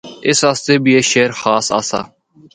اس آسطے بھی اے شہر خاص آسا۔